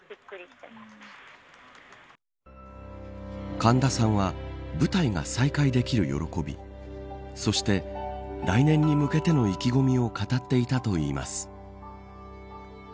神田さんは舞台が再開できる喜びそして、来年に向けての意気込みを語っていたといいます。